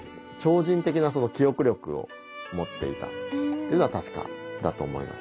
っていうのは確かだと思います。